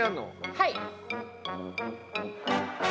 はい。